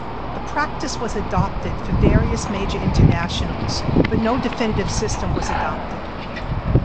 The practice was adopted for various major internationals but no definitive system was adopted.